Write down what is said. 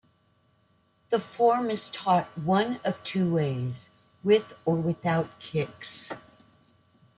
The form is taught one of two ways: with or without kicks.